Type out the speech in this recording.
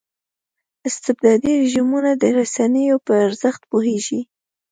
استبدادي رژیمونه د رسنیو په ارزښت پوهېږي.